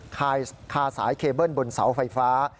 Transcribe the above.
คาสายเคเบิ้ลบนเสาไฟฟ้า